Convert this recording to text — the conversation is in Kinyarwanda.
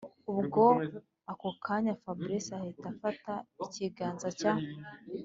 ubwo ako kanya fabric ahita afata ikiganza cya